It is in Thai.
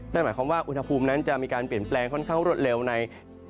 นั่นหมายความว่าอุณหภูมินั้นจะมีการเปลี่ยนแปลงค่อนข้างรวดเร็วใน